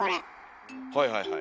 はいはいはい。